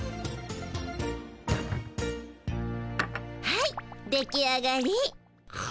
はい出来上がり。